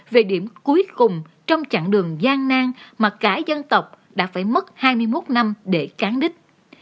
về điểm cuối cùng trong chặng đường gian nang mà cả dân tộc đã phải mất hai mươi một năm để cán đích